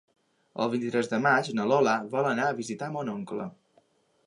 El vint-i-tres de maig na Lola vol anar a visitar mon oncle.